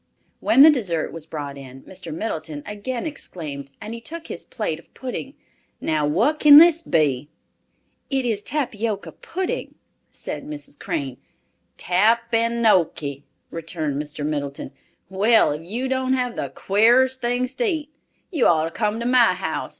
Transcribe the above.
When the dessert was brought in Mr. Middleton again exclaimed, as he took his plate of pudding, "Now what can this be?" "It is tapioca pudding," said Mrs. Crane. "Tap an oakky," returned Mr. Middleton. "Well, if you don't have the queerest things to eat! You ought to come to my house.